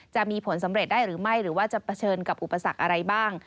จะมีผลสำเร็จได้หรือไม่หรือว่าจะเผชิญกับอุปสรรคอะไรบ้าง